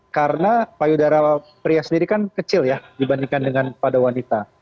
karena payudara pria sendiri kan kecil ya dibandingkan dengan pada wanita